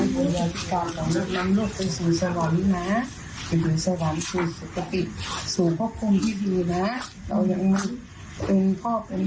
บอกว่าขอให้ลูกไปสู่ภพภูมิที่ดีอย่าได้มีห่วง